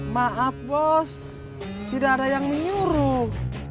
maaf bos tidak ada yang menyuruh